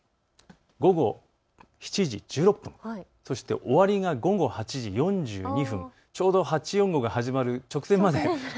午後７時１６分、終わりが午後８時４２分、ちょうど８４５が始まる直前まで。